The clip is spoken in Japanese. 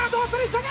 急げ！